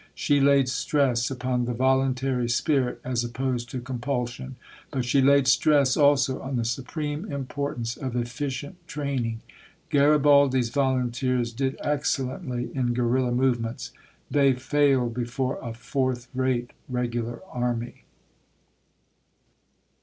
She laid stress upon the voluntary spirit, as opposed to compulsion. But she laid stress also on the supreme importance of efficient training: "Garibaldi's Volunteers did excellently in guerilla movements; they failed before a fourth rate regular army."